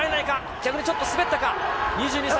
逆にちょっと滑ったか、２２歳。